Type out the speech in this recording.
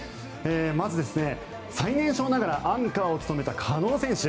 まず、最年少ながらアンカーを務めた加納選手。